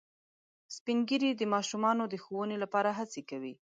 سپین ږیری د ماشومانو د ښوونې لپاره هڅې کوي